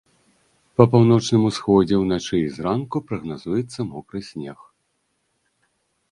Па паўночным усходзе ўначы і зранку прагназуецца мокры снег.